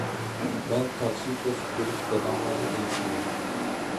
مەن تاكسى توسۇپ بېرىپ داداڭلارنى ئېلىپ كېلەي.